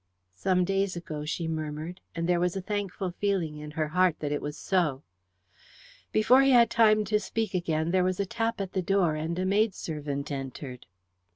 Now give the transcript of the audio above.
"Some days ago," she murmured, and there was a thankful feeling in her heart that it was so. Before he had time to speak again there was a tap at the door, and a maidservant entered.